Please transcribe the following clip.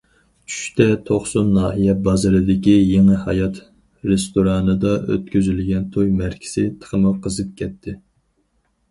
چۈشتە توقسۇن ناھىيە بازىرىدىكى« يېڭى ھايات» رېستورانىدا ئۆتكۈزۈلگەن توي مەرىكىسى تېخىمۇ قىزىپ كەتتى.